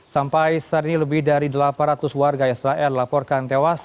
sampai saat ini lebih dari delapan ratus warga israel laporkan tewas